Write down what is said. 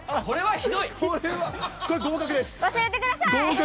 これはひどい。